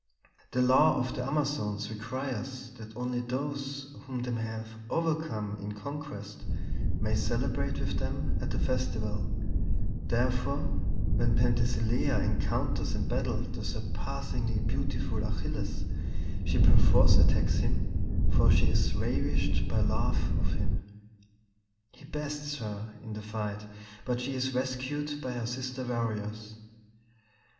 The law of the Amazons requires that only those whom they have overcome in conquest may celebrate with them at the festival; therefore, when Penthesilea encounters in battle the surpassingly beautiful Achilles, she perforce attacks him, for she is ravished by love of him. He bests her in the fight, but she is rescued by her sister warriors.